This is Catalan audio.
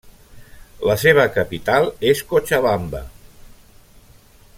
La seva capital és Cochabamba.